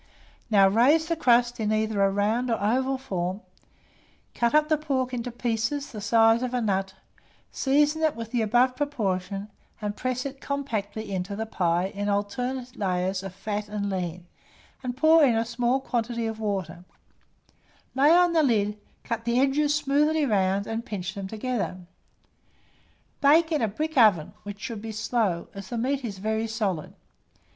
Now raise the crust in either a round or oval form, cut up the pork into pieces the size of a nut, season it in the above proportion, and press it compactly into the pie, in alternate layers of fat and lean, and pour in a small quantity of water; lay on the lid, cut the edges smoothly round, and pinch them together. Bake in a brick oven, which should be slow, as the meat is very solid.